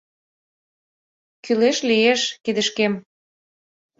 Кӱлеш лиеш, кидышкем